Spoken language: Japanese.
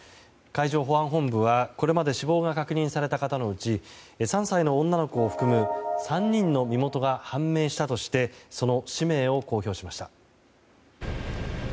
海上保安本部はこれまで死亡が確認された方のうち３歳の女の子を含む３人の身元が判明したとしてその氏名を公表しました。